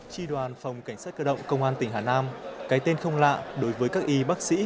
tri đoàn phòng cảnh sát cơ động công an tỉnh hà nam cái tên không lạ đối với các y bác sĩ